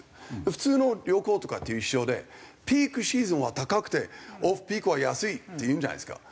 普通の旅行とかと一緒でピークシーズンは高くてオフピークは安いっていうじゃないですか。